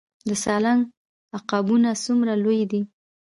د سالنګ عقابونه څومره لوی دي؟